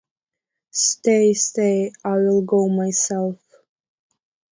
Stay, stay, I will go myself.